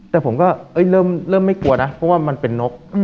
แต่ผมก็เริ่มไม่กลัวนะเพราะว่ามันเป็นนก